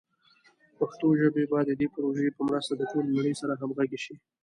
پښتو ژبه به د دې پروژې په مرسته د ټولې نړۍ سره همغږي شي.